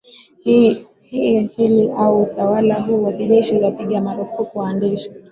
hi hili au utawala huu wa kijeshi uliwapiga marufuku waandishi